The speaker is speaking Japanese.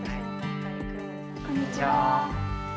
こんにちは。